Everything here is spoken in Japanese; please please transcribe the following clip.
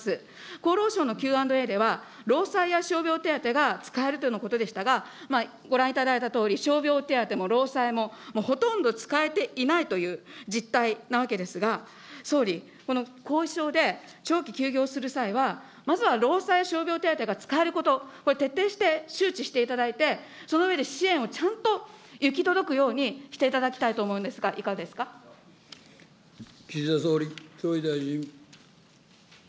厚労省のＱ＆Ａでは、労災や傷病手当が使えるということでしたが、ご覧いただいたとおり、傷病手当も労災もほとんど使えていないという実態なわけですが、総理、この後遺症で長期休業する際は、まずは労災傷病手当が使えること、これ、徹底して周知していただいて、その上で支援をちゃんと行き届くようにしていただきたいと思岸田総理、総理大臣。